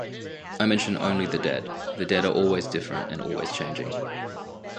I mention only the dead, the dead are always different, and always changing.